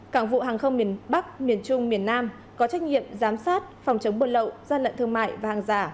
cảng vụ hàng không miền bắc miền trung miền nam có trách nhiệm giám sát phòng chống bồn lậu gian lận thương mại và hàng giả